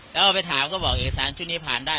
แล้วเอาไปถามก็บอกเอกสารชุดนี้ผ่านได้